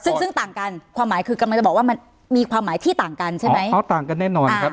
ซึ่งซึ่งต่างกันความหมายคือกำลังจะบอกว่ามันมีความหมายที่ต่างกันใช่ไหมอ๋อต่างกันแน่นอนครับ